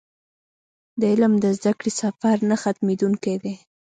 د علم د زده کړې سفر نه ختمېدونکی دی.